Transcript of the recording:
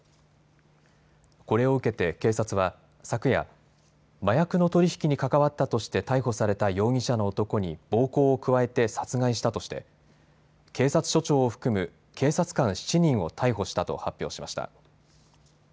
これを受けて警察は昨夜、麻薬の取り引きに関わったとして逮捕された容疑者の男に暴行を加えて殺害したとして警察署長を含む警察官７人を逮捕したと発表しました。